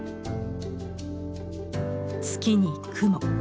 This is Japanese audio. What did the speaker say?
月に雲。